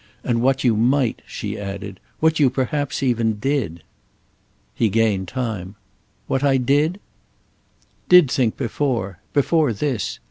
And what you might," she added. "What you perhaps even did." He gained time. "What I did—?" "Did think before. Before this.